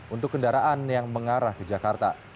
untuk kendaraan yang mengarah ke jakarta